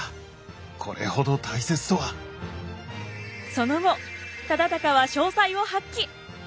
その後忠敬は商才を発揮。